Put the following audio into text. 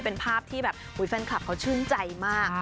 เป็นภาพที่แบบแฟนคลับเขาชื่นใจมาก